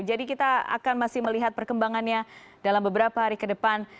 jadi kita akan masih melihat perkembangannya dalam beberapa hari ke depan